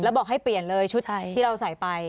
แล้วบอกให้เปลี่ยนเลยชุดที่เราใส่ไป